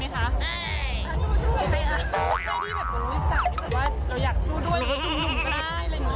เหมือนเดินขันหลัง